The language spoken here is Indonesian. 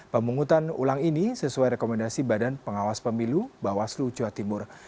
pemungutan ulang ini sesuai rekomendasi badan pengawas pemilu bawaslu jawa timur